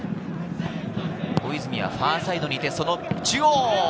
小泉はファーサイドに行って中央！